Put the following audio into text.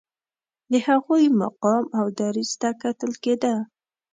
د هغوی مقام او دریځ ته کتل کېده.